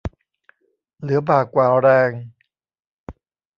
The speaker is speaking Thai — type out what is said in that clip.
เหลือบ่ากว่าแรง